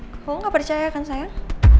kamu gak percaya kan saya